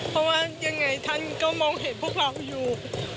เพราะว่ายังไงท่านก็มองเห็นพวกเราอยู่